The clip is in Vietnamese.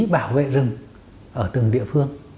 bảo vệ rừng ở từng địa phương